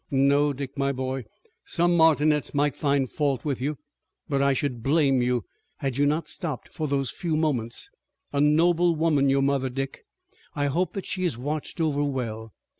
"No, Dick, my boy. Some martinets might find fault with you, but I should blame you had you not stopped for those few moments. A noble woman, your mother, Dick. I hope that she is watched over well."